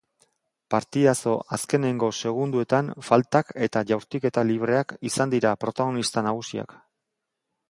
Partidazo azkenengo segundoetan faltak eta jaurtiketa libreak izandira protagonista nagusiak.